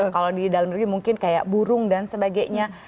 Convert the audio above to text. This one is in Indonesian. kalau di dalam negeri mungkin kayak burung dan sebagainya